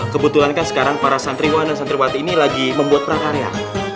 kebetulan kan sekarang para santriwana santriwati ini lagi membuat prakarya